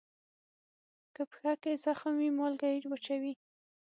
که پښه کې زخم وي، مالګه یې وچوي.